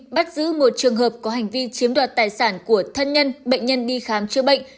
bắt giữ một trường hợp có hành vi chiếm đoạt tài sản của thân nhân bệnh nhân đi khám chữa bệnh